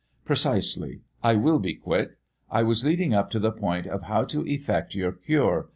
"Precisely. I will be quick. I was leading up to the point of how to effect your cure.